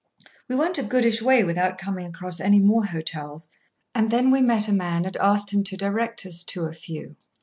We went a goodish way without coming across any more hotels, and then we met a man, and asked him to direct us to a few.